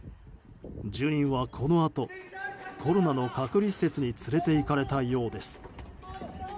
住人はこのあとコロナの隔離施設に連れていかれたようです。